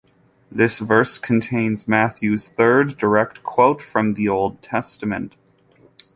This verse contains Matthew's third direct quote from the Old Testament.